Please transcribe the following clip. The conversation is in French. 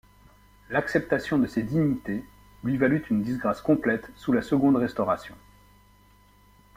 L'acceptation de ces dignités lui valut une disgrâce complète sous la seconde Restauration.